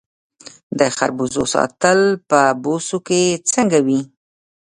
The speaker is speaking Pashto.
د خربوزو ساتل په بوسو کې څنګه وي؟